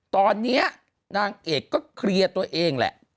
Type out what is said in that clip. ตอนนี้นางเอกก็เคลียร์ตัวเองแหละ